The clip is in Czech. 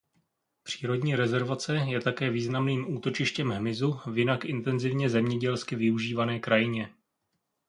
Přírodní rezervace je také významným útočištěm hmyzu v jinak intenzivně zemědělsky využívané krajině.